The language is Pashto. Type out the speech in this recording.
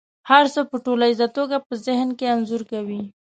هر څه په ټوليزه توګه په ذهن کې انځور کوي.